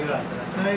はい。